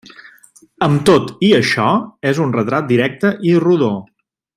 Amb tot i això és un retrat directe i rodó.